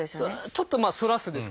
ちょっとまあ「反らす」ですかね。